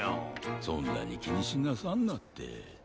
そんなにきにしなさんなって。